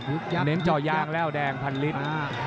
เหมือนเจาะยางแล้วแดงพันลิตร